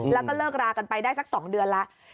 แล้วก็เลิกรากันไปได้สัก๒เดือนแล้ว